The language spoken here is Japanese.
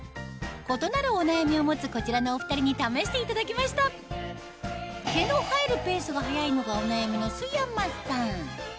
異なるお悩みを持つこちらのお２人に試していただきました毛の生えるペースが早いのがお悩みの須山さん